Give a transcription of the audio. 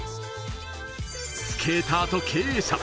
スケーターと経営者。